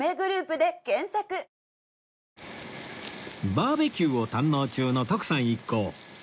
バーベキューを堪能中の徳さん一行